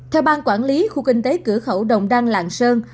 theo bang quản lý khu kinh tế cửa khẩu đồng đăng lạng sơn